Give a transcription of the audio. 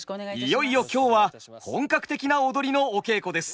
いよいよ今日は本格的な踊りのお稽古です。